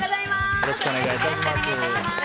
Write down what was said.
よろしくお願いします。